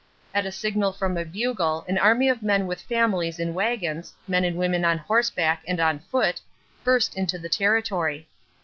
At a signal from a bugle an army of men with families in wagons, men and women on horseback and on foot, burst into the territory.